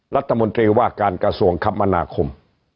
รัฐมนตรีว่าการกระทรวงคมนาคม